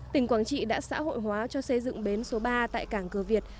tỉnh quảng trị đã xã hội hóa cho xây dựng bến số ba tại càng cửa việt